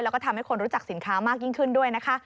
แล้วก็ทำให้คนรู้จักสินค้ามากยิ่งขึ้นด้วยนะคะ